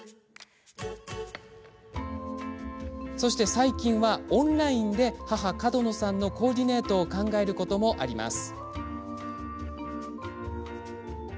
最近はオンラインで母・角野さんのコーディネートを考えることもあります。